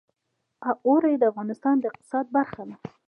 اوړي د افغانستان د اقتصاد برخه ده.